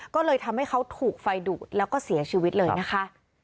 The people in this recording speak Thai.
ก็เลยทำให้เขาถูกไฟดูดแล้วก็เสียชีวิตเลยนะคะ